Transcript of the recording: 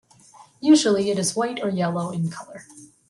Usually it is white or yellow in color.